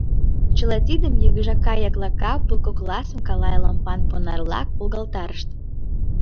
Чыла тидым, йыгыжака-яклака пыл кокласым, калай лампан понар-влак волгалтарышт.